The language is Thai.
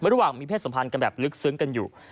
ระหว่างมีเพศสัมพันธ์กันแบบลึกซึ้งกันอยู่